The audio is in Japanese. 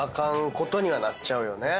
ことにはなっちゃうよね。